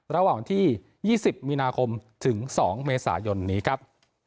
ระหว่างวันที่๒๐มีนาคมถึง๒เมษายนนี้ครับ